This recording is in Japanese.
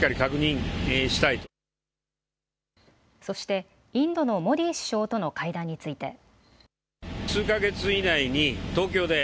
そして、インドのモディ首相との会談について。